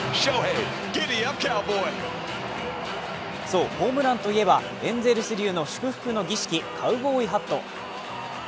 そう、ホームランといえばエンゼルス流の祝福の儀式カウボーイハット。